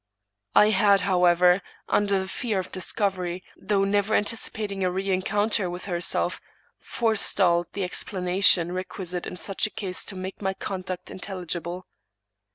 I had, however, under the fear of dis covery, though never anticipating a rencounter with herself, forestalled the explanation requisite in such a case to make my conduct intelligible.